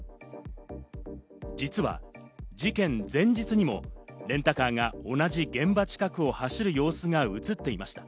実は事件前日にもレンタカーが同じ現場近くを走る様子が映っていました。